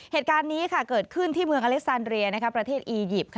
เหตุการณ์นี้เกิดขึ้นที่เมืองอเล็กซานเรียประเทศอียิปต์